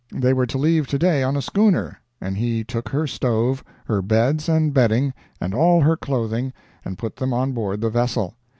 They were to leave to day on a schooner, and he took her stove, her beds and bedding, and all her clothing, and put them on board the vessel.